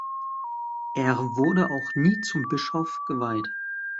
Er wurde auch nie zum Bischof geweiht.